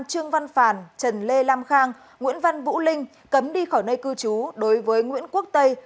trương văn phàn trần lê lam khang nguyễn văn vũ linh cấm đi khỏi nơi cư trú đối với nguyễn quốc tây